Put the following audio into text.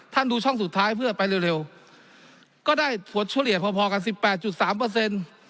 ดูช่องสุดท้ายเพื่อไปเร็วก็ได้ผลเฉลี่ยพอพอกันสิบแปดจุดสามเปอร์เซ็นต์